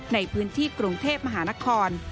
ในพื้นที่กรุงเทพมหานคร